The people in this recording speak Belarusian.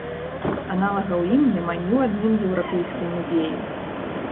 Аналагаў ім няма ні ў адным еўрапейскім музеі!